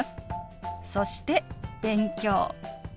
そして「勉強」。